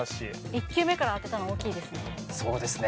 １球目から当てたの大きいですね。